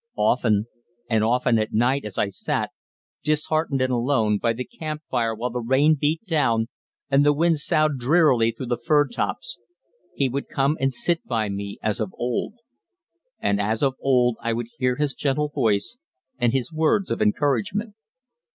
Often and often at night as I sat, disheartened and alone, by the camp fire while the rain beat down and the wind soughed drearily through the firtops, he would come and sit by me as of old, and as of old I would hear his gentle voice and his words of encouragement.